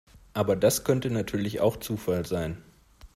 Aber das könnte natürlich auch Zufall sein.